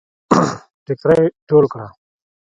ټيکړی ټول کړه